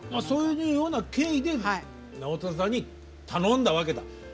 そういうような経緯で直太朗さんに頼んだわけだ。